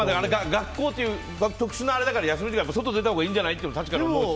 学校という特殊なあれだから休み時間も外に出たほうがいいんじゃないって確かに思うし。